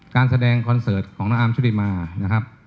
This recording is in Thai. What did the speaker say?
การแสดงคอนเสิร์ตของน้องอาร์มชุริมานะครับ